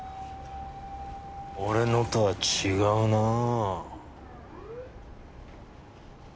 俺のとは違うなぁ。